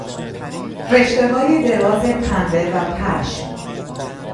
رشتههای دراز پنبه و پشم